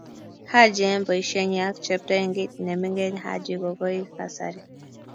Haji eng boisienyii ak chepto eng kit nemengen Haji okoi kasari